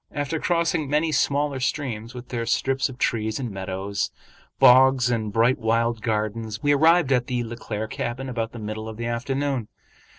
After crossing many smaller streams with their strips of trees and meadows, bogs and bright wild gardens, we arrived at the Le Claire cabin about the middle of the afternoon.